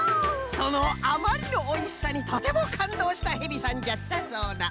そのあまりのおいしさにとてもかんどうしたヘビさんじゃったそうな。